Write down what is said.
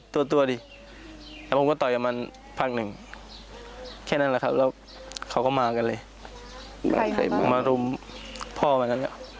แล้วเขาก็มากันเลยมารุมพ่อแบบนั้นตอนที่เขารุมเขาใช้อะไรบ้าง